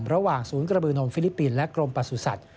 ระหว่างศูนย์กระบือนมฟิลิปปินส์และกรมประสุทธิ์